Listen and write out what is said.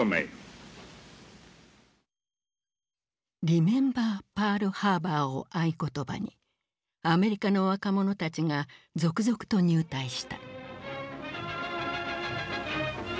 「リメンバー・パールハーバー」を合言葉にアメリカの若者たちが続々と入隊した。